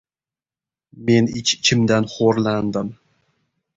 Men ich-ichimdan xo‘rlandim.